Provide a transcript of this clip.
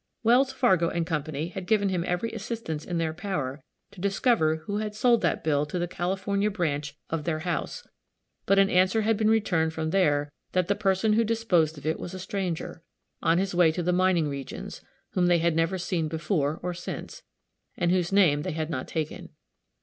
Wells, Fargo & Co. had given him every assistance in their power to discover who had sold that bill to the California branch of their house; but an answer had been returned from there that the person who disposed of it was a stranger, on his way to the mining regions, whom they had never seen before or since, and whose name they had not taken.